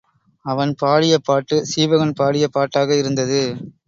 அவன் பாடிய பாட்டு சீவகன்பாடிய பாட்டாக இருந்தது.